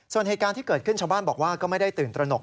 ส่วนเหตุการณ์ที่เกิดขึ้นชาวบ้านบอกว่าก็ไม่ได้ตื่นตระหนก